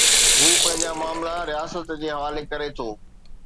هو پنهنجا معاملا رياست جي حوالي ڪري ٿو.